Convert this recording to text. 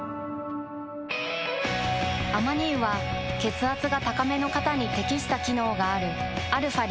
アマニ油は血圧が高めの方に適した機能があるαー